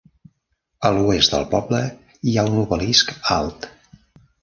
A l'oest del poble hi ha un obelisc alt.